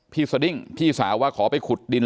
สดิ้งพี่สาวว่าขอไปขุดดิน